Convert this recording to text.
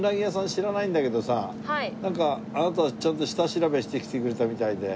知らないんだけどさなんかあなたたちちゃんと下調べしてきてくれたみたいで。